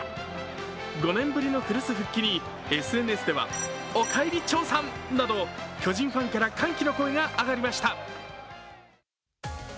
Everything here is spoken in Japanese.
５年ぶりの古巣復帰にＳＮＳではおかえりチョーさんなど巨人ファンから歓喜の声が上がりました。